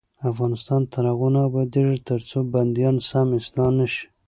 افغانستان تر هغو نه ابادیږي، ترڅو بندیان سم اصلاح نشي.